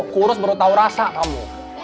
kurus baru tahu rasa kamu